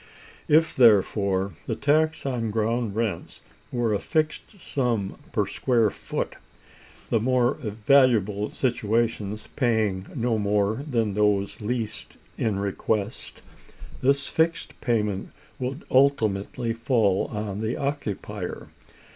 If, therefore, the tax on ground rents were a fixed sum per square foot, the more valuable situations paying no more than those least in request, this fixed payment would ultimately fall on the occupier.